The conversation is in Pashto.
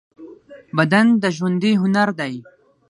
بدن د ژوندۍ هنر دی.